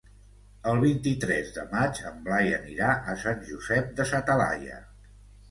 El vint-i-tres de maig en Blai anirà a Sant Josep de sa Talaia.